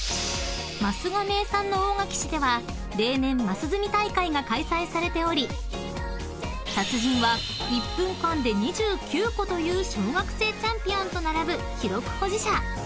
［升が名産の大垣市では例年升積み大会が開催されており達人は１分間で２９個という小学生チャンピオンと並ぶ記録保持者］